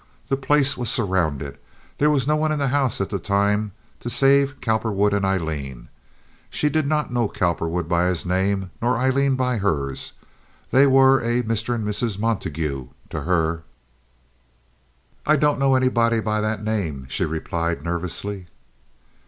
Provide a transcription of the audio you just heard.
The place was surrounded. There was no one in the house at the time to save Cowperwood and Aileen. She did not know Cowperwood by his name, nor Aileen by hers. They were a Mr. and Mrs. Montague to her. "I don't know anybody by that name," she replied nervously.